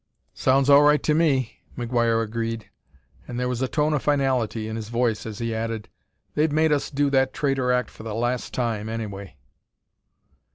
"Sounds all right to me," McGuire agreed, and there was a tone of finality in his voice as he added: "They've made us do that traitor act for the last time, anyway."